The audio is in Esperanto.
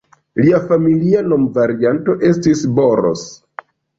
Lia familia nomvarianto estis "Boros".